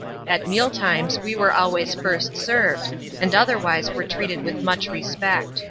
At meal times we were always ^tst %^x^^"3u^ Bnd otherwise were treated with much respect.